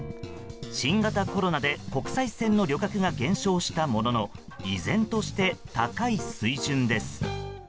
新型コロナで国際線の旅客が減少したものの依然として高い水準です。